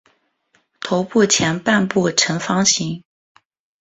头部前半部呈方形。